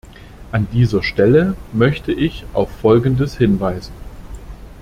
An dieser Stelle möchte ich auf folgendes hinweisen.